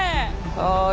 はい。